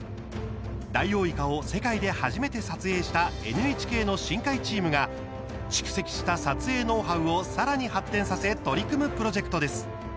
ダイオウイカを世界で初めて撮影したＮＨＫの深海チームが蓄積した撮影ノウハウをさらに発展させ取り組むプロジェクトです。